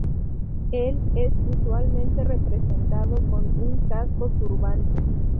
Él es usualmente representado con un casco-turbante.